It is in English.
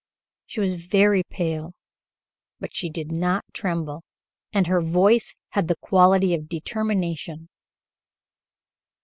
She was very pale, but she did not tremble, and her voice had the quality of determination.